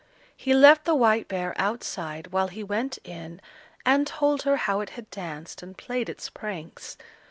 He left the white bear outside while he went in and told her how it had danced and played its pranks.